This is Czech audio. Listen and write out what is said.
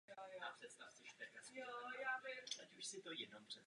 Následkem toho má Irsko menší populaci než jiné evropské země podobné velikosti.